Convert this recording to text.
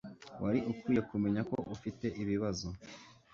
Wari ukwiye kumenya ko ufite ibibazo